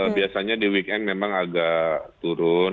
biasanya di weekend memang agak turun